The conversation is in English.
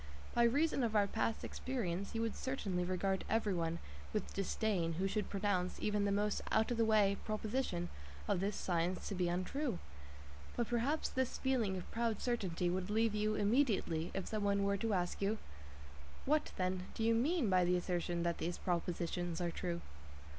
By reason of our past experience, you would certainly regard everyone with disdain who should pronounce even the most out of the way proposition of this science to be untrue. But perhaps this feeling of proud certainty would leave you immediately if some one were to ask you: "What, then, do you mean by the assertion that these propositions are true?"